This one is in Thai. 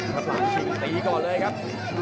ส่วนหน้านั้นอยู่ที่เลด้านะครับ